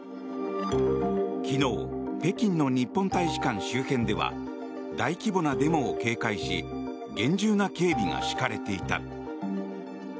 昨日、北京の日本大使館周辺では大規模なデモを警戒し厳重な警備が敷かれていた。